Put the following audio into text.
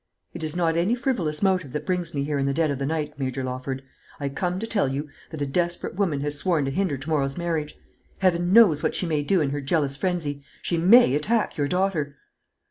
It is not any frivolous motive that brings me here in the dead of the night, Major Lawford. I come to tell you that a desperate woman has sworn to hinder to morrow's marriage. Heaven knows what she may do in her jealous frenzy! She may attack your daughter."